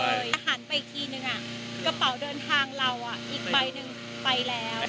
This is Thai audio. หันไปอีกทีนึงกระเป๋าเดินทางเราอีกใบหนึ่งไปแล้ว